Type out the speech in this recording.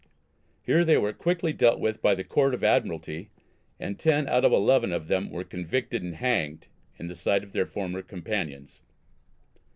Here they were quickly dealt with by the Court of Admiralty, and ten out of eleven of them were convicted and hanged "in the sight of their former companions."